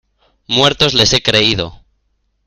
¡ muertos les he creído!